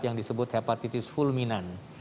yang disebut hepatitis fulminan